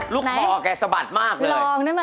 คอแกสะบัดมากเลย